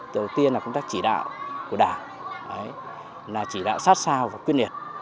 đầu tiên là công tác chỉ đạo của đảng là chỉ đạo sát sao và quyết liệt